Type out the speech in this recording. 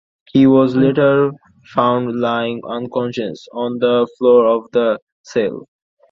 He was later found lying unconscious on the floor of the cell.